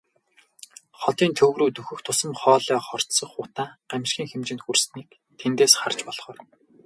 Хотын төв рүү дөхөх тусам хоолой хорсгох утаа гамшгийн хэмжээнд хүрснийг тэндээс харж болохоор.